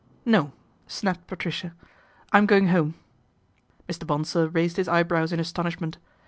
" No," snapped Patricia, " I'm going home/' Mr. Bonsor raised his eyebrows in astonishment.